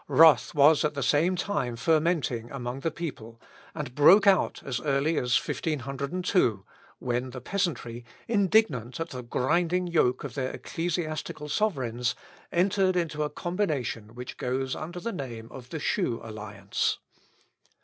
Wrath was at the same time fermenting among the people, and broke out as early as 1502, when the peasantry, indignant at the grinding yoke of their ecclesiastical sovereigns, entered into a combination which goes under the name of the Shoe Alliance.